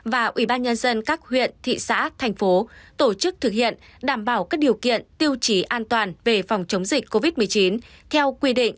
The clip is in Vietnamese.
và ubnd các huyện thị xã thành phố tổ chức thực hiện đảm bảo các điều kiện tiêu chí an toàn về phòng chống dịch covid một mươi chín